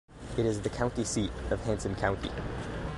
It is the county seat of Hanson County.